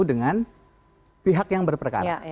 dengan pihak yang berperkara